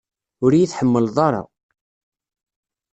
Ur iyi-tḥemmleḍ ara.